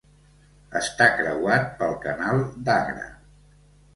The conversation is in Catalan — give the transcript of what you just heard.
Està creuat pel canal d'Agra.